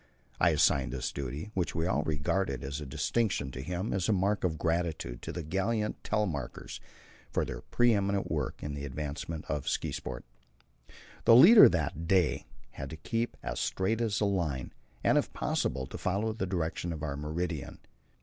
I assigned this duty, which we all regarded as a distinction, to him as a mark of gratitude to the gallant Telemarkers for their pre eminent work in the advancement of ski spot. The leader that day had to keep as straight as a line, and if possible to follow the direction of our meridian.